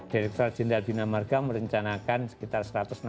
direktur jenderal bina marga merencanakan sekitar satu ratus enam puluh